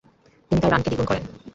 তিনি তার রানকে দ্বিগুণ করেন।